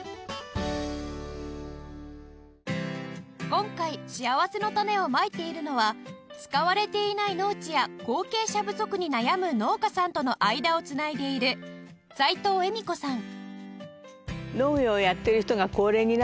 今回しあわせのたねをまいているのは使われていない農地や後継者不足に悩む農家さんとの間をつないでいる斉藤恵美子さん